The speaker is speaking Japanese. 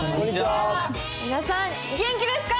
皆さん元気ですか！？